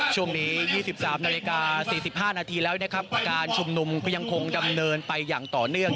ช่วงนี้ยี่สิบสามนาฬิกาสี่สิบห้านาทีแล้วนะครับการชมนุมก็ยังคงดำเนินไปอย่างต่อเนื่อง